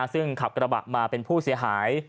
ซึ่งขับกระบะมาเป็นผู้เสียหาย